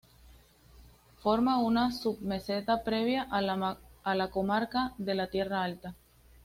Forma una submeseta previa a la comarca de la Tierra Alta.